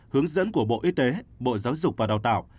hướng dẫn của bộ y tế bộ giáo dục và đào tạo